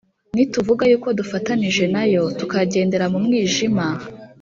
Nituvuga yuko dufatanije nayo, tukagendera mu mwijima ,